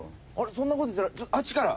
そんな事言ってたらあっちから。